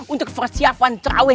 untuk persiapan traweh